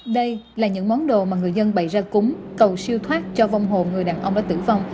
đây là những món đồ mà người dân bày ra cúng cầu siêu thoát cho vong hồ người đàn ông đã tử vong